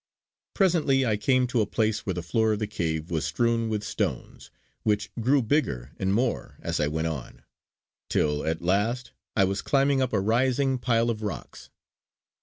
Presently I came to a place where the floor of the cave was strewn with stones, which grew bigger and more as I went on; till at last I was climbing up a rising pile of rocks.